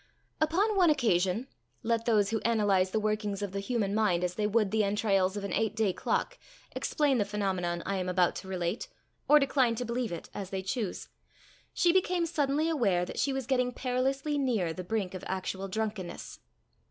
Upon one occasion let those who analyze the workings of the human mind as they would the entrails of an eight day clock, explain the phenomenon I am about to relate, or decline to believe it, as they choose she became suddenly aware that she was getting perilously near the brink of actual drunkenness.